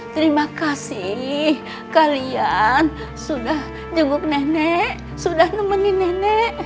terima kasih kalian sudah jenguk nenek sudah nemenin nenek